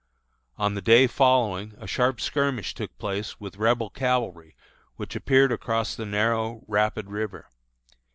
On the day following a sharp skirmish took place with Rebel cavalry which appeared across the narrow, rapid river.